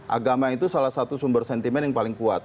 agama itu salah satu sumber sentimen yang paling kuat